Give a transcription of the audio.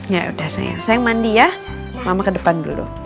yaudah sayang sayang mandi ya mama ke depan dulu